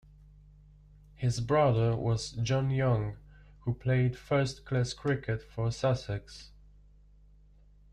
His brother was John Young, who played first-class cricket for Sussex.